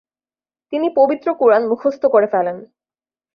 তিনি পবিত্র কুরআন মুখস্থ করে ফেলেন ।